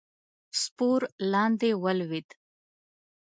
سپور لاندې ولوېد.